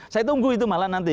saya tunggu itu malah nanti